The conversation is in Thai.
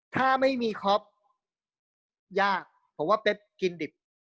ถ้าไม่มีครอบยากเพราะว่าเป๊บกินดิบ